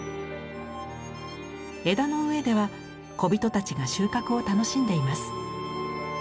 枝の上では小人たちが収穫を楽しんでいます。